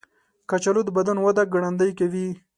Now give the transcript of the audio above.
کچالو د بدن وده ګړندۍ کوي.